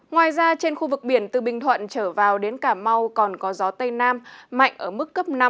ngoài ra trên khu vực biển từ bình thuận trở vào đến cà mau còn có gió tây nam mạnh ở mức cấp năm